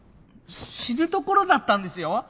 死ぬところだったんですよ。